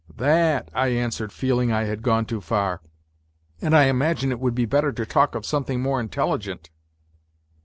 " Tha at," I answered, feeling I had gone too far, " and I imagine it would be better to talk of something more intelligent."